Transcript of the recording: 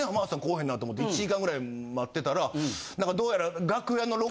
うへんなと思って１時間ぐらい待ってたら何かどうやら。